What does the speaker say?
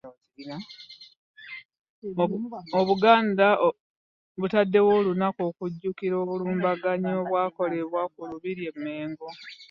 Obuganda butaddewo olunaku okujjukira obulumbaganyi obwakolebwa ku Lubiri e Mmengo.